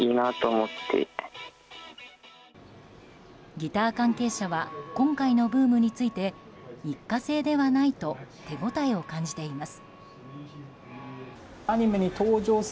ギター関係者は今回のブームについて一過性ではないと手応えを感じています。